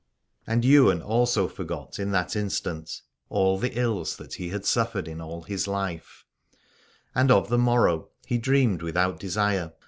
And Ywain also forgot in that instant all the 173 Aladore ills that he had suffered in all his life : and of the morrow he dreamed without desire.